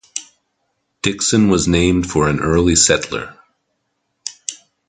Dixon was named for an early settler.